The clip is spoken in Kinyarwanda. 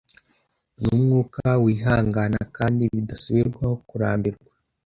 Numwuka wihangana kandi bidasubirwaho, kurambirwa,